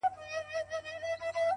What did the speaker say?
o ما ويل څه به ورته گران يمه زه؛